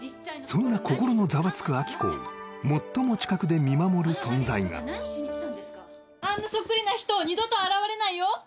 そんな心のざわつく亜希子を最も近くで見守る存在があんなソックリな人二度と現れないよ